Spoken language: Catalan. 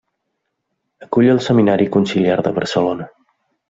Acull el Seminari Conciliar de Barcelona.